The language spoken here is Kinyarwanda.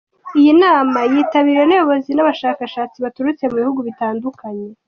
Iyi nama yitabiriwe n’abayobozi n’abashakashatsi baturutse mu bihugu bitandukanye .